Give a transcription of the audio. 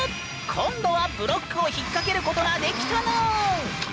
今度はブロックを引っ掛けることができたぬん！